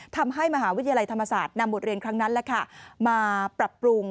ทำให้มหาวิทยาลัยธรรมศาสตร์นำบทเรียนครั้งนั้นมาปรับปรุง